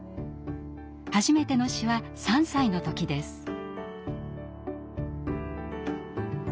初めての詩は３歳の時です。